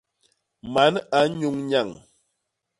Man a nnyuñ nyañ.